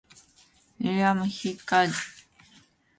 William "Hiker" Joy was the head coach for the first year.